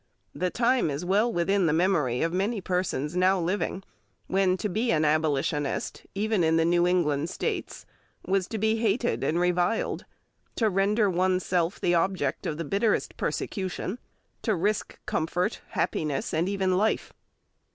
The time is well within the memory of many persons now living when to be an Abolitionist, even in the New England States, was to be hated and reviled, to render one's self the object of the bitterest persecution, to risk comfort, happiness, and even life.